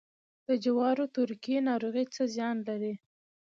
د جوارو تورکي ناروغي څه زیان لري؟